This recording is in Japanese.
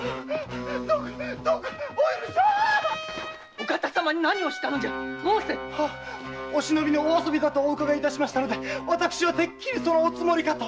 お方様に何をしたのじゃ⁉申せ！お忍びのお遊びと伺いましたのでてっきりそのおつもりかと。